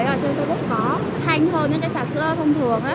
em thấy ở trên facebook có thanh hơn những cái trà sữa thông thường á